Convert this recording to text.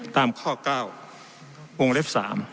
ตามข้อ๙วงเล็บ๓